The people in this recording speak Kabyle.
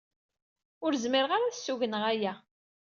Ur zmireɣ ara ad ssugneɣ aya.